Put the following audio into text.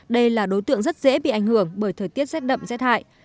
đây là đối tượng rất dễ bị ảnh hưởng bởi thời tiết rét đậm rét hại